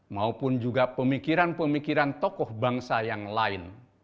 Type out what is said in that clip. maupun juga pemikiran pemikiran tokoh bangsa yang lain